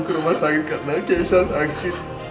ke rumah sakit karena kiesa sakit